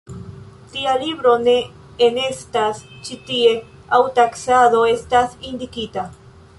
Tia libro ne enestas ĉi tie aŭ taksado estas indikita.